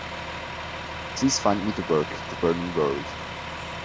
Please find me the work, The Burning World.